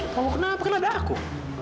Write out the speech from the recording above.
mau kenapa kenapa ada aku